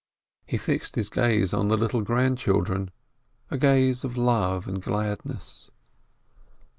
He fixed his gaze on the little grandchildren, a gaze of love and gladness.